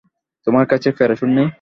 তোমার কাছে প্যারাসুট নেই?